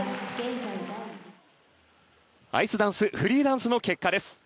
アイスダンスフリーダンスの結果です。